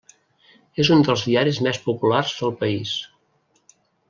És un dels diaris més populars del país.